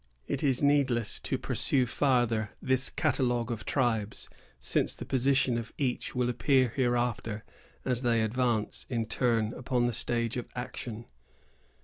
It is needless to pursue farther this catalogue of tribes, since the position of each will appear hereafter as they advance in turn upon the stage of action.